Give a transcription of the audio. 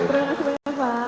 terima kasih banyak pak